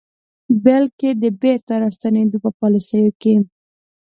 بلکې د بیرته راستنېدنې په پالیسیو کې